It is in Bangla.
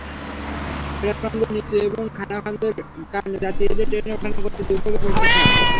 প্ল্যাটফর্মগুলো নিচু এবং খানাখন্দের কারণে যাত্রীদের ট্রেনে ওঠানামা করতে দুর্ভোগে পড়তে হয়।